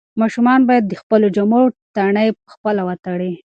ماشومان باید د خپلو جامو تڼۍ پخپله وتړي.